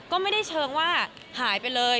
ก็ไม่ได้เชิงว่าหายไปเลย